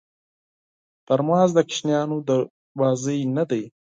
ترموز د ماشومانو د لوبې نه دی.